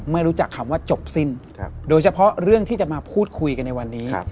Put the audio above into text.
ไม่รู้จักคำว่าจบสิ้นโดยเฉพาะเรื่องที่จะมาพูดคุยกันในวันนี้